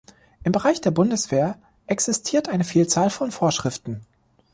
Im Bereich der Bundeswehr existiert eine Vielzahl von Vorschriften.